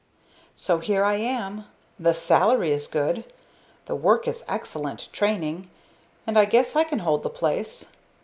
"So here I am. The salary is good, the work is excellent training, and I guess I can hold the place.